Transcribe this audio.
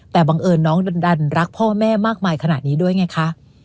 แต่บังเอิญน้องดันรักพ่อแม่มากมายขนาดนี้ด้วยไงคะ